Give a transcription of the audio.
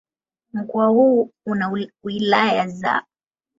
Mkoa huu una wilaya za